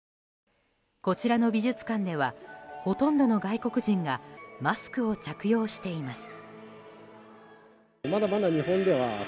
こちらの美術館ではほとんどの外国人がマスクを着用しています。